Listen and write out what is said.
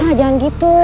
enggak jangan gitu